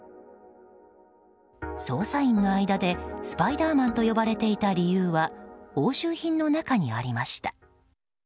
捜査員の間でスパイダーマンと呼ばれていた理由は押収品の中にありました。